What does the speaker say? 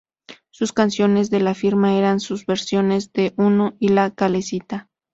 Sus canciones de la firma eran sus versiones de "Uno" y "La Calesita".